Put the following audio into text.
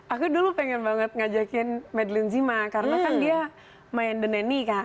aku dulu pengen banget ngajakin medlin zima karena kan dia main the nenny kan